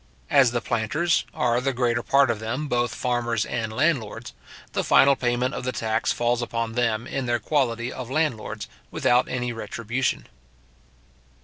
As the planters, are the greater part of them, both farmers and landlords, the final payment of the tax falls upon them in their quality of landlords, without any retribution.